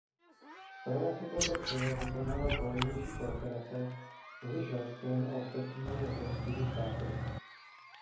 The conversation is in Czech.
Strana si proto přeje vykonávat volnější kooperace mezi Švédskem a ostatními evropskými státy.